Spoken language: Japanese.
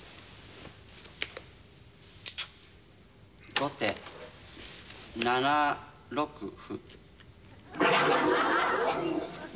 後手７六歩。